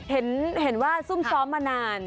เห็นว่าซุ่มซ้อมมานาน